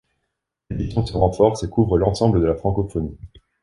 L'édition se renforce et couvre l'ensemble de la francophonie.